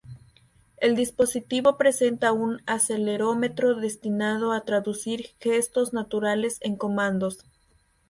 El dispositivo presenta un acelerómetro destinado a traducir gestos naturales en comandos.